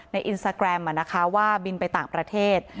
แล้วคุณหนุ๋มสรรามก็โพสท์ภาพในอินสากรามว่าบินไปต่างประเทศ